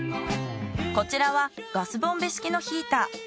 こちらはガスボンベ式のヒーター。